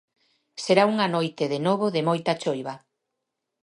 Será unha noite, de novo, de moita choiva.